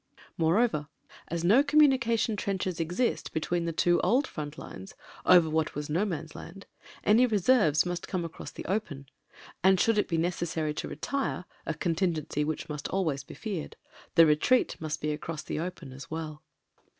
Moreover, as no communication trenches exist between the two old front lines— over what was No man's land — any reserves must come THE MADNESS 307 across the open, and should it be necessary to retire, a contingency which must always be faced, the retreat • must be across the open as well.